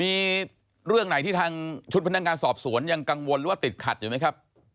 มีเรื่องไหนที่ทางชุดพนักงานสอบสวนยังกังวลหรือว่าติดขัดอยู่ไหมครับ